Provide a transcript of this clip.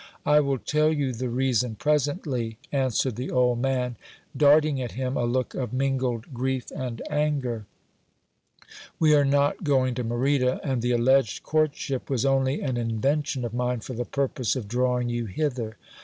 I will tell you the reason presently, answered the old man, darting at him a look of mingled grief and anger: We are not going to Merida; and the alleged courtship was only an invention of mine, for the purpose of drawing you hither.